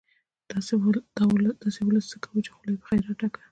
داسې ولس څه کوو، چې خوله يې په خيرات ډکه